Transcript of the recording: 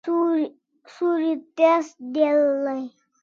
Suri tez del dai